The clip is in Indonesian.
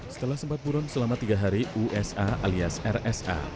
setelah sempat buron selama tiga hari usa alias rsa